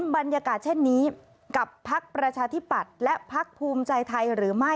บรรยากาศเช่นนี้กับพักประชาธิปัตย์และพักภูมิใจไทยหรือไม่